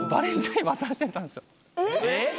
えっ！